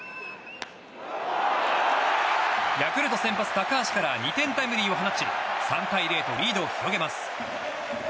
ヤクルト先発、高橋から２点タイムリーを放ち３対０とリードを広げます。